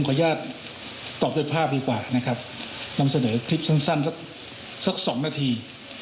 ขออนุญาตตอบด้วยภาพดีกว่านะครับนำเสนอคลิปสั้นสัก๒นาที